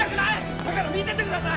だから見てて下さい！